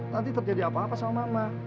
nanti terjadi apa apa sama mama